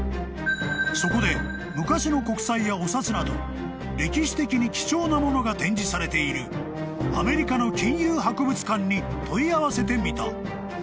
［そこで昔の国債やお札など歴史的に貴重なものが展示されているアメリカの金融博物館に問い合わせてみた］